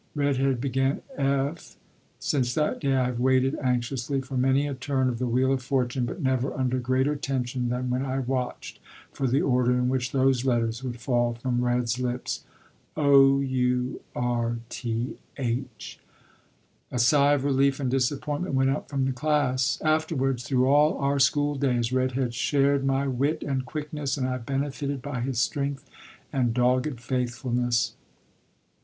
"Red Head" began: "F " Since that day I have waited anxiously for many a turn of the wheel of fortune, but never under greater tension than when I watched for the order in which those letters would fall from "Red's" lips "o u r t h." A sigh of relief and disappointment went up from the class. Afterwards, through all our school days, "Red Head" shared my wit and quickness and I benefited by his strength and dogged faithfulness.